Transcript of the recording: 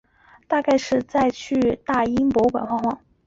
大概就是再去大英博物馆晃晃